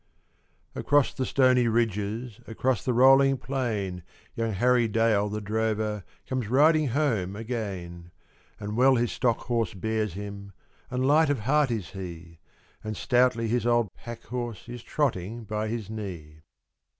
_) Across the stony ridges, Across the rolling plain, Young Harry Dale, the drover, Comes riding home again. And well his stock horse bears him, And light of heart is he, And stoutly his old pack horse Is trotting by his knee.